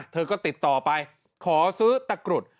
เธอก็ติดต่อไปขอซื้อตะกรุด